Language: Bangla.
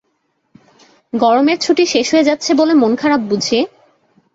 গরমের ছুটি শেষ হয়ে যাচ্ছে বলে মন খারাপ বুঝি?